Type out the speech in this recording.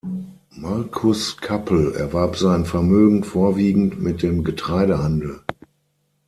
Marcus Kappel erwarb sein Vermögen vorwiegend mit dem Getreidehandel.